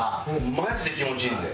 マジで気持ちいいんで。